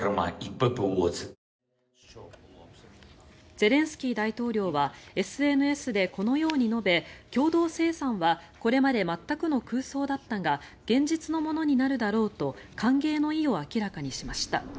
ゼレンスキー大統領はＳＮＳでこのように述べ共同生産はこれまで全くの空想だったが現実のものになるだろうと歓迎の意を明らかにしました。